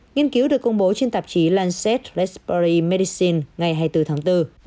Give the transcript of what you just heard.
nghiên cứu được công bố trên tạp chí lancet lesbury medicine ngày hai mươi bốn tháng bốn